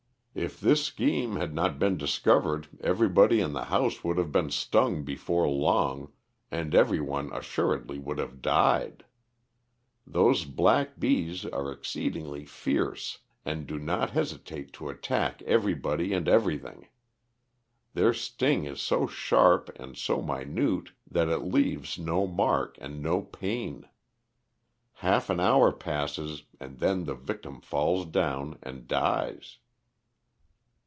"If this scheme had not been discovered everybody in the house would have been stung before long, and every one assuredly would have died. Those black bees are exceedingly fierce, and do not hesitate to attack everybody and everything. Their sting is so sharp and so minute that it leaves no mark and no pain. Half an hour passes, and then the victim falls down and dies."